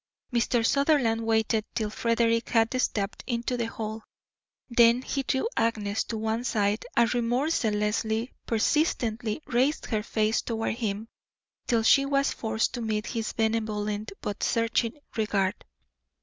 Mr. Sutherland waited till Frederick had stepped into the hall. Then he drew Agnes to one side and remorselessly, persistently, raised her face toward him till she was forced to meet his benevolent but searching regard.